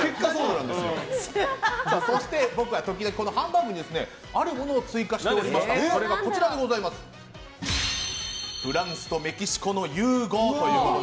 そして僕は時々ハンバーグにあるものを追加しておりましてそれがフランスとメキシコの融合。